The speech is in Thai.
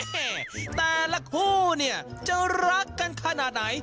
แต่ละคู่เนี่ยจะรักกันขนาดไหน